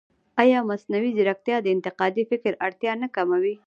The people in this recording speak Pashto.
ایا مصنوعي ځیرکتیا د انتقادي فکر اړتیا نه کموي؟